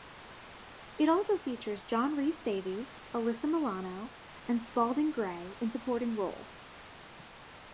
It also features John Rhys-Davies, Alyssa Milano, and Spalding Gray in supporting roles.